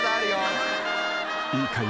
［いいかい？